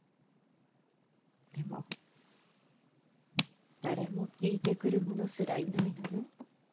でも誰も聞いてくる者すらいないのよ。